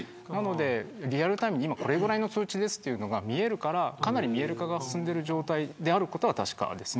リアルタイムで、今これぐらいの数値ですというのが見えるからかなり見える化が進んでいる状態であるのは確かです。